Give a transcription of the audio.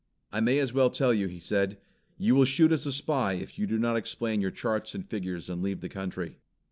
"I may as well tell you," he said. "You will shoot as a spy if you do not explain your charts and figures and leave the country."